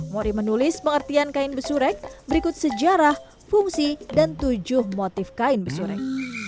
mori menulis pengertian kain besurek berikut sejarah fungsi dan tujuh motif kain besurek